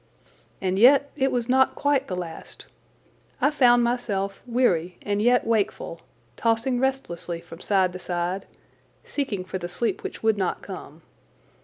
And yet it was not quite the last. I found myself weary and yet wakeful, tossing restlessly from side to side, seeking for the sleep which would not come.